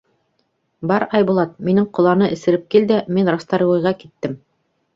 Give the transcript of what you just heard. Бар, Айбулат, минең ҡоланы эсереп кил дә, мин Расторгуйға киттем.